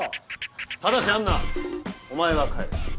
ただしアンナお前は帰れ。